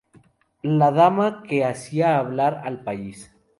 La dama que hacía hablar al país".